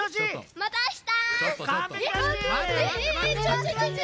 またあした。